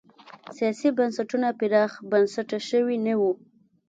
سیاسي بنسټونه پراخ بنسټه شوي نه وو.